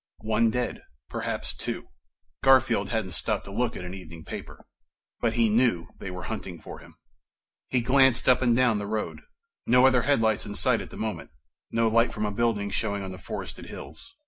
One dead. Perhaps two. Garfield hadn't stopped to look at an evening paper. But he knew they were hunting for him. He glanced up and down the road. No other headlights in sight at the moment, no light from a building showing on the forested hills.